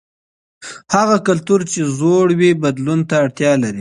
هغه کلتور چې زوړ وي بدلون ته اړتیا لري.